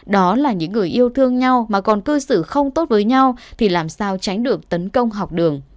đó là những người yêu thương nhau mà còn cư xử không tốt với nhau thì làm sao tránh được tấn công học đường